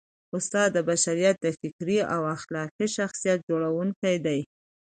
استاد د بشریت د فکري او اخلاقي شخصیت جوړوونکی دی.